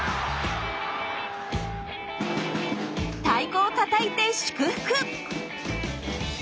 太鼓をたたいて祝福！